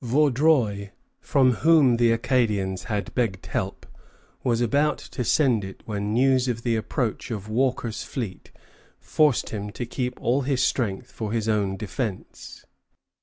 Vaudreuil, from whom the Acadians had begged help, was about to send it when news of the approach of Walker's fleet forced him to keep all his strength for his own defence.